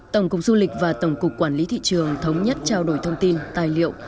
tổng cục du lịch và tổng cục quản lý thị trường thống nhất trao đổi thông tin tài liệu